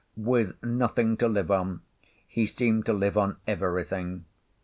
With nothing to live on, he seemed to live on everything.